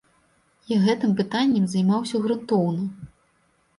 Я гэтым пытаннем займаўся грунтоўна.